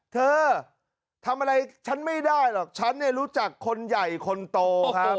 เธอทำอะไรฉันไม่ได้หรอกฉันเนี่ยรู้จักคนใหญ่คนโตครับ